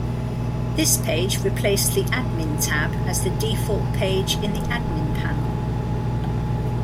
This page replaced the "Admin" tab as the default page in the Admin Panel.